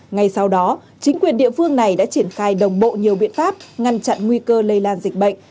ngay sau đó chính quyền địa phương này đã triển khai đồng bộ nhiều biện pháp ngăn chặn nguy cơ lây lan dịch bệnh